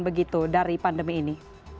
begitu dari pandemi ini